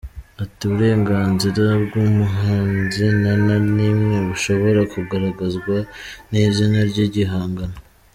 Ati "Uburenganzira bw’umuhanzi nta na nimwe bushobora kugaragazwa n’izina ry’igihangano.